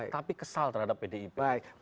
tapi kesal terhadap pdip